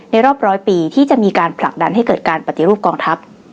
รอบร้อยปีที่จะมีการผลักดันให้เกิดการปฏิรูปกองทัพ